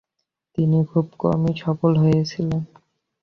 তিনি খুব কমই সফল হয়েছিলেন।